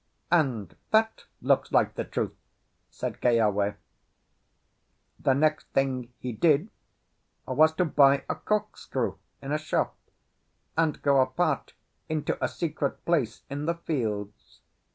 "And that looks like the truth," said Keawe. The next thing he did was to buy a cork screw in a shop, and go apart into a secret place in the fields.